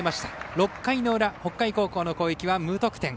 ６回の裏、北海高校の攻撃は無得点。